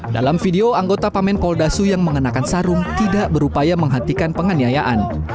dalam video anggota pamen poldasu yang mengenakan sarung tidak berupaya menghentikan penganiayaan